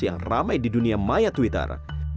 yang ramai di dunia maya twitter